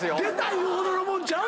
言うほどのもんちゃう。